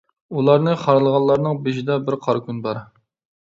ئۇلارنى خارلىغانلارنىڭ، بېشىدا بىر قارا كۈن بار.